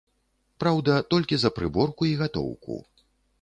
Праўда, толькі за прыборку і гатоўку.